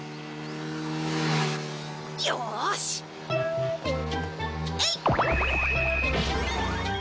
よしえいっ！